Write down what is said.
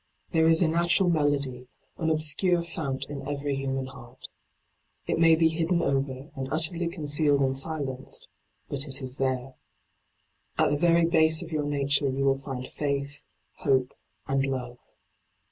There is a natural melody, an obscure fount in every human heart. It may be hidden over and utterly concealed and silenced — but it is there. At the very base of your nature you will find faith, hope, and love.